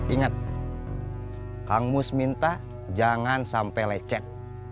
ingat kang mus minta jangan sampai lecet